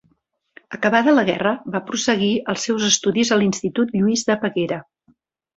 Acabada la guerra va prosseguir els seus estudis a l’Institut Lluís de Peguera.